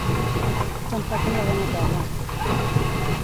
Tampoc amb la Donatella.